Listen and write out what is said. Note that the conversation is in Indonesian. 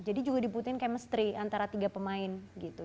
jadi juga diputihkan chemistry antara tiga pemain gitu